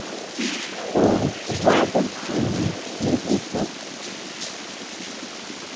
Obe chibatu chinuñ ñeʼe biku.